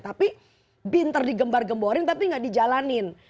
tapi binter digembar gemborin tapi gak dijalanin